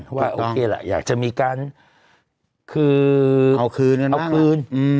เพราะว่าโอเคล่ะอยากจะมีการคือเอาคืนเอาคืน